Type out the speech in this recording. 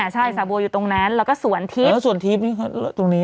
ใช่สาบัวอยู่ตรงนั้นแล้วก็สวนทิศตรงนี้